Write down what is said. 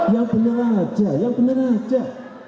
yang benar aja yang benar aja